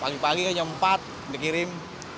paling paling hanya empat dikirim